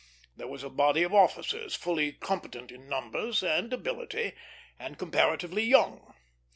There was a body of officers fully competent in numbers and ability, and comparatively young.